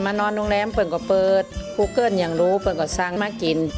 น้ำป้างที่ไหนกว่ามา